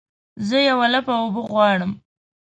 زه یوه لپه اوبه غواړمه